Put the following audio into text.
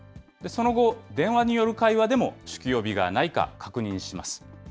その後、電話による会話でも、酒気帯びがないか確認します。